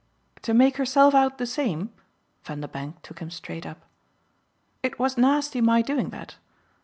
"To make herself out the same?" Vanderbank took him straight up. "It was nasty my doing that?